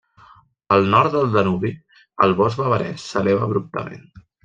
Al nord del Danubi el bosc bavarès s'eleva abruptament.